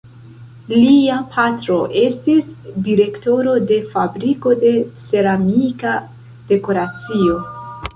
Lia patro estis direktoro de fabriko de ceramika dekoracio.